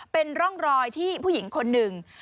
เป็นร่องรอยที่ผู้หญิงคนหนึ่ง